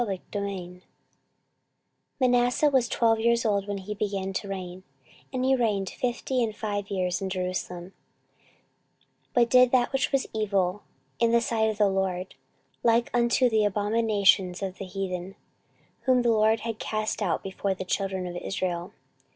14:033:001 Manasseh was twelve years old when he began to reign, and he reigned fifty and five years in Jerusalem: 14:033:002 But did that which was evil in the sight of the LORD, like unto the abominations of the heathen, whom the LORD had cast out before the children of Israel.